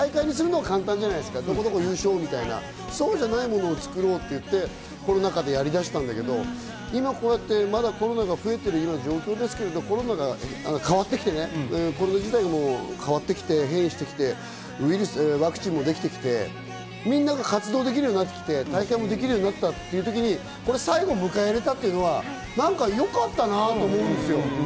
大会にするのは簡単じゃないですか、どこどこが優勝みたいなもの、そういうものじゃないものを作ろうとコロナ禍でやりだしたんだけど、今コロナが増えている状況ですけれども、変わってきてね、コロナ自体も変わってきて、変異してきて、ワクチンもできてきて、みんなが活動できるようになってきて、大会もできるようになったという時に、最後迎えられたというのはなんかよかったなと思うんですよ。